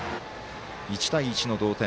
１対１の同点。